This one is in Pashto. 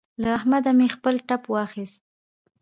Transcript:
له احمده مې خپل ټپ واخيست.